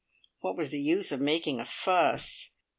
What was the use of making a fuss?